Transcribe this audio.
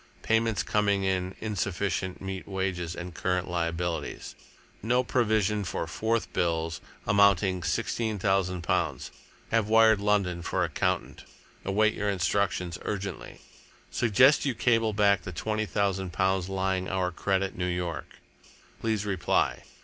Payments coming in insufficient meet wages and current liabilities. No provision for 4th bills, amounting sixteen thousand pounds. Have wired London for accountant. Await your instructions urgently. Suggest you cable back the twenty thousand pounds lying our credit New York. Please reply.